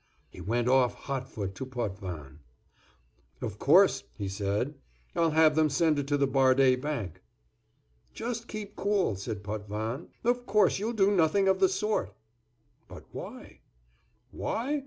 He went off hot foot to Potvin. "Of course," he said, "I'll have them send it to the Bardé Bank." "Just keep cool," said Potvin. "Of course you'll do nothing of the sort." "But why?" "Why?